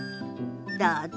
どうぞ。